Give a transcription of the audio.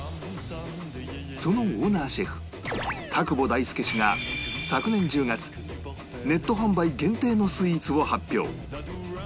そのオーナーシェフ田窪大祐氏が昨年１０月ネット販売限定のスイーツを発表